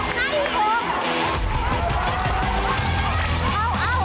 กลับมา